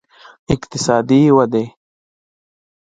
اقتصادي ودې